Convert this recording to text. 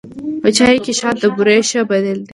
په چای کې شات د بوري ښه بدیل دی.